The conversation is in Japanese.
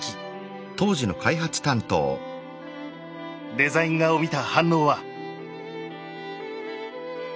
デザイン画を見た反応は。